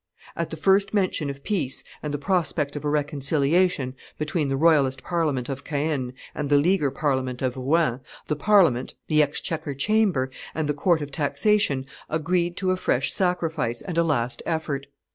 At the first mention of peace and the prospect of a reconciliation between the royalist Parliament of Caen and the leaguer Parliament of Rouen, the Parliament, the exchequer chamber, and the court of taxation, agreed to a fresh sacrifice and a last effort.